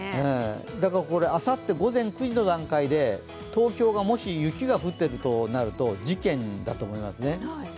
だからあさって午前９時の段階で東京にもし雪が降ってるとなると事件だと思いますね。